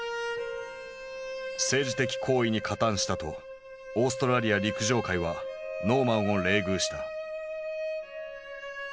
政治的行為に加担したとオーストラリア陸上界はノーマンを冷遇した。